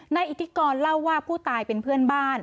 นายอิทธิกรเล่าว่าผู้ตายเป็นเพื่อนบ้าน